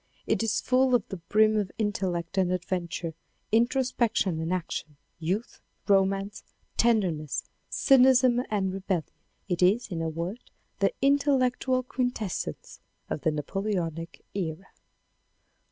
It is full to the brim of intellect and adventure, introspection and action, youth, romance, tenderness, cynicism and rebellion. It is in a word the intellectual quintessence of the Napoleonic era.